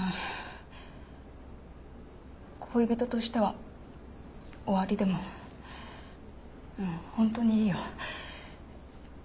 恋人としては終わりでもうん本当にいいよ。